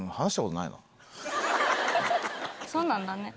そうなんだね。